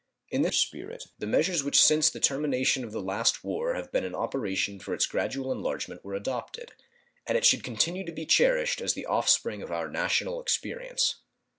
In this spirit the measures which since the termination of the last war have been in operation for its gradual enlargement were adopted, and it should continue to be cherished as the off spring of our national experience.